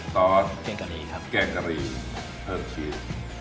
ต่อแกงกะลีเอิ่มชีส